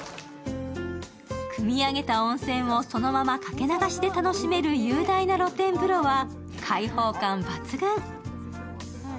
くみ上げた温泉をそのまま掛け流しで楽しめる雄大な露天風呂は開放感抜群。